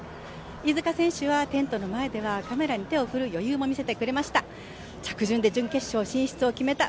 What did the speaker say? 飯塚選手はテントの前ではカメラに手を振る余裕も見せてくれました。